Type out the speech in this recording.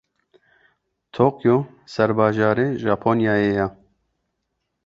Tokyo serbajarê Japonyayê ye.